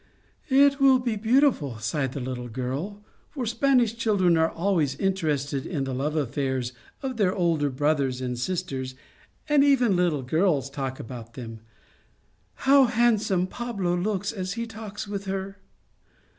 It will be beautiful," sighed the little girl, for Spanish children are always interested in the love affairs of their older brothers and sisters, and even little girls talk about them. " How handsome Pablo looks as he talks with her."